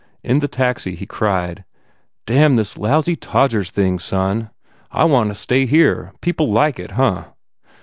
In the taxi, he cried, "Damn this lousy Todgers thing, son! I want to stay here. People liked it, huh?"